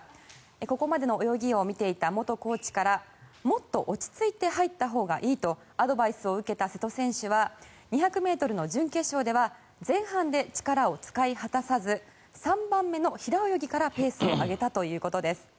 ここまでの泳ぎを見ていた元コーチからもっと落ち着いて入ったほうがいいとアドバイスを受けた瀬戸選手は２００ｍの準決勝では前半で力を使い果たさず３番目の平泳ぎからペースを上げたということです。